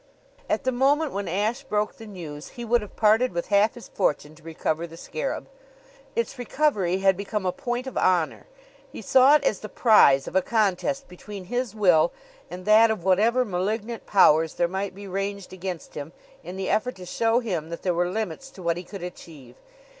At the moment when Ashe broke the news he would have parted with half his fortune to recover the scarab. Its recovery had become a point of honor. He saw it as the prize of a contest between his will and that of whatever malignant powers there might be ranged against him in the effort to show him that there were limits to what he could achieve.